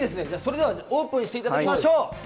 では、オープンしていただきましょう。